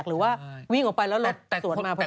หรือว่าวิ่งออกไปแล้วรถสวนมาพอดี